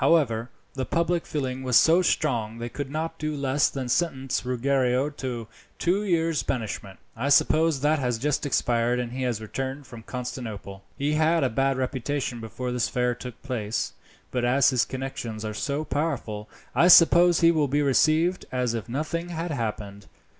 However, the public feeling was so strong that they could not do less than sentence Ruggiero to two years' banishment. I suppose that has just expired, and he has returned from Constantinople. He had a bad reputation before this affair took place, but as his connections are so powerful, I suppose he will be received as if nothing had happened.